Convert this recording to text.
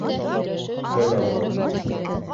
Быҙау!